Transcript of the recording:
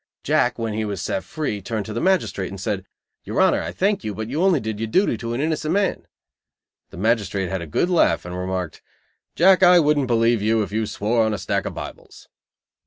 Jack, when he was set free, turned to the magistrate, and said: "Your honor, I thank you, but you only did your duty to an innocent man." The magistrate had a good laugh, and remarked: "Jack, I wouldn't believe you if you swore on a stack of Bibles."